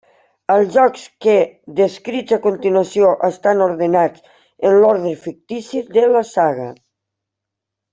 Els jocs que descrits a continuació estan ordenats en l'ordre fictici de la saga.